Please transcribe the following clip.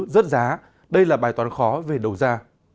rớt giá đây là bài toán khó về đầu ra